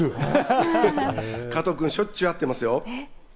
加藤君、しょっちゅう会ってますよ。